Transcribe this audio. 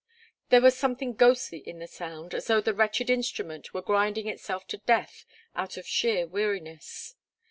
There was something ghostly in the sound, as though the wretched instrument were grinding itself to death out of sheer weariness.